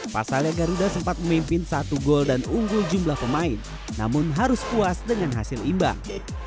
pasalnya garuda sempat memimpin satu gol dan unggul jumlah pemain namun harus puas dengan hasil imbang